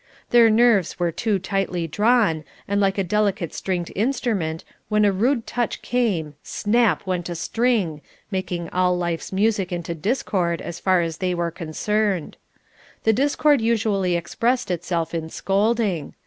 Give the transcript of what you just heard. Their nerves were too tightly drawn, and like a delicate stringed instrument, when a rude touch came, snap! went a string, making all life's music into discord as far as they were concerned. The discord usually expressed itself in scolding.